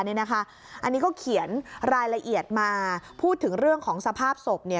อันนี้ก็เขียนรายละเอียดมาพูดถึงเรื่องของสภาพศพเนี่ย